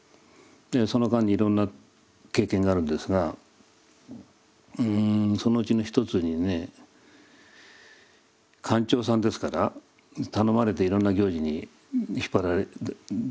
その間にいろんな経験があるんですがそのうちの一つにね管長さんですから頼まれていろんな行事に引っ張り出されますよね。